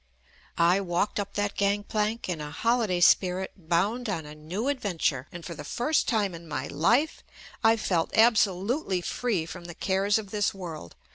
I walked up that gangplank in a holiday spirit bound on a new adventure, and for the first time in my life I felt absolutely free from the cares of this world.